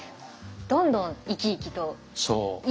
どんどん生き生きと。